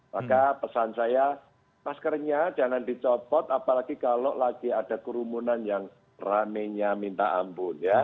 maka pesan saya maskernya jangan dicopot apalagi kalau lagi ada kerumunan yang ramenya minta ampun ya